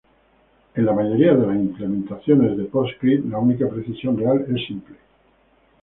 En la mayoría de las implementaciones de PostScript, la única precisión real es simple.